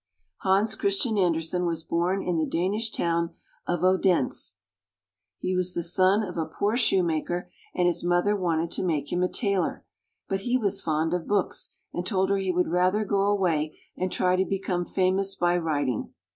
Hans Christian Andersen was born in the Danish town of Odense (o'den sa). He was the son of a poor shoe maker, and his mother wanted to make him a tailor ; but he was fond of books, and told her he would rather go away and try to become famous by writing.